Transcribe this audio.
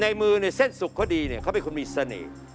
ในมือในเซ่นสุขเขาดีเขาเป็นคนมีเสน่ห์